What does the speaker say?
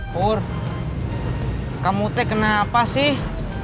kur kamu teh kenapa sih